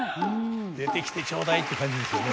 「出てきてちょうだい」って感じですよね。